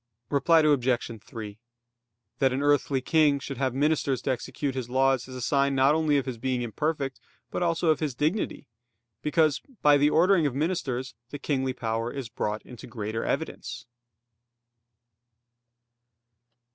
Reply Obj. 3: That an earthly king should have ministers to execute his laws is a sign not only of his being imperfect, but also of his dignity; because by the ordering of ministers the kingly power is brought into greater evidence.